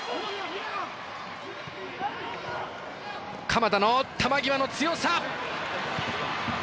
鎌田の球際の強さ。